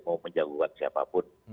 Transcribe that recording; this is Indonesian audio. mau menjagokan siapapun